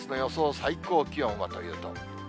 最高気温はというと。